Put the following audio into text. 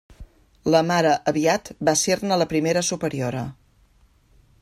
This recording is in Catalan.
La mare Aviat va ésser-ne la primera superiora.